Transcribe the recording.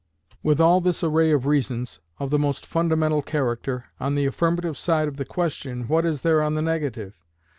With all this array of reasons, of the most fundamental character, on the affirmative side of the question, what is there on the negative?